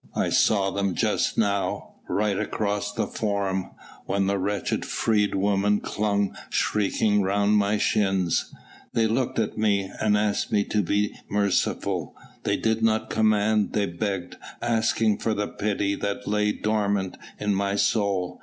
I saw them just now, right across the Forum, when the wretched freedwoman clung shrieking round my shins. They looked at me and asked me to be merciful; they did not command, they begged ... asking for the pity that lay dormant in my soul.